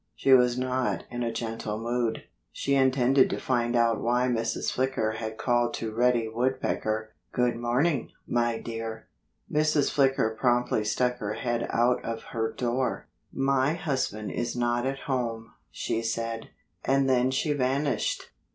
She was not in a gentle mood. She intended to find out why Mrs. Flicker had called to Reddy Woodpecker, "Good morning, my dear!" Mrs. Flicker promptly stuck her head out of her door. "My husband is not at home," she said. And then she vanished.